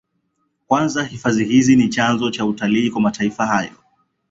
Kwanza hifadhi hizi ni chanzo cha utalii kwa mataifa hayo